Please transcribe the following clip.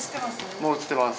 もう映ってます。